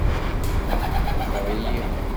Ḍfer-iyi.